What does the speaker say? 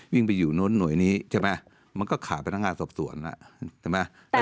วิ่งไปอยู่โนนหน่วยนี้ใช่ไหมฮะมันก็ขายพนักงานสบส่วนแหละ